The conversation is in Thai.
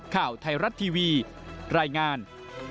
ข่าวไทยรัฐทีวีรายงาน